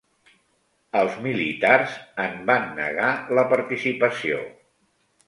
Els militars en van negar la participació.